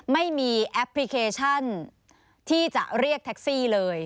ไม่มีแอปพลิเคชันที่จะเรียกแท็กซี่เลย